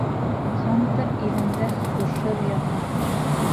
Хантер иҙәндә һушһыҙ ята.